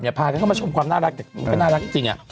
อย่าพาเข้ามาชมความน่ารักแต่คือเป็นน่ารักจริง